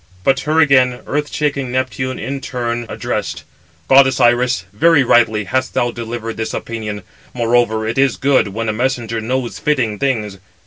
But her again earth shaking Neptune in turn addressed: "Goddess Iris, very rightly hast thou delivered this opinion; moreover, it is good when a messenger knows fitting things.